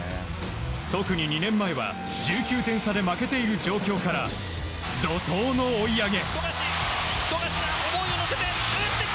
特に、２年前は１９点差で負けている状況から怒涛の追い上げ。